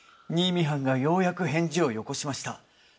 新見藩がようやく返事をよこしました。